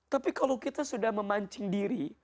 tapi kalau kita sudah memancing diri